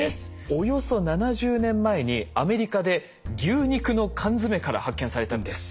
およそ７０年前にアメリカで牛肉の缶詰から発見されたんです。